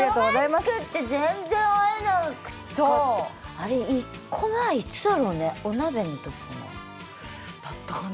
あれ１個前いつだろうねお鍋の時かな。